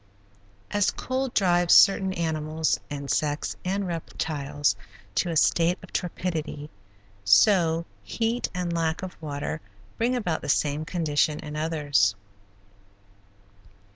As cold drives certain animals, insects, and reptiles to a state of torpidity, so heat and lack of water bring about the same condition in others.